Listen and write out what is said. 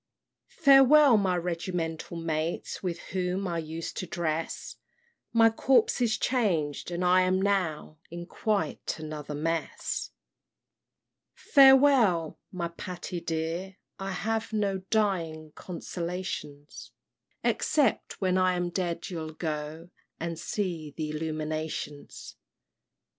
"Farewell, my regimental mates, With whom I used to dress! My corps is changed, and I am now In quite another mess. "Farewell, my Patty dear, I have No dying consolations, Except, when I am dead, you'll go And see th' Illuminations."